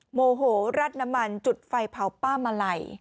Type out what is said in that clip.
โมโหรัดน้ำมันจุดไฟเผาป้ามาลัย